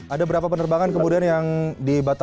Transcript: ada berapa penerbangan kemudian yang dibatalkan